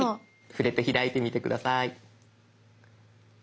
触れて開いてみて下さい。